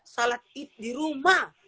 salat id di rumah